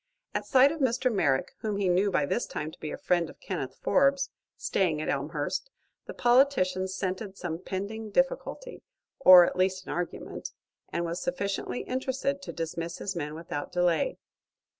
At sight of Mr. Merrick, whom he knew by this time to be a friend of Kenneth Forbes, staying at Elmhurst, the politician scented some pending difficulty, or at least an argument, and was sufficiently interested to dismiss his men without delay.